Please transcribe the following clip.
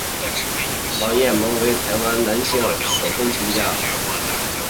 王雁盟为台湾的男性手风琴家。